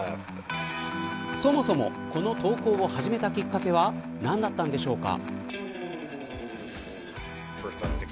そもそもこの投稿を始めたきっかけは何だったんでしょうか。